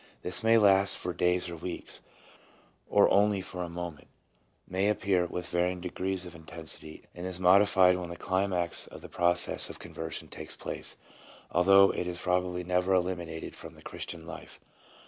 This may last for days or weeks, or only for a moment; may appear with varying degrees of intensity, and is modified when the climax of the process of conversion takes place, although it is probably never eliminated from the Christian life.